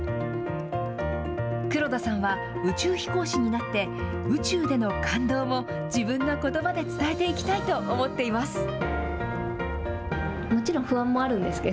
黒田さんは宇宙飛行士になって、宇宙での感動も、自分のことばで伝えていきたいと思っています。